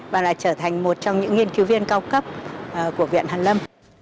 và là trở thành một trong những nghiên cứu viên cao cấp của viện hàn lâm